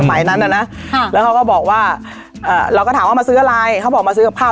สมัยนั้นน่ะนะค่ะแล้วเขาก็บอกว่าเอ่อเราก็ถามว่ามาซื้ออะไรเขาบอกมาซื้อกับข้าว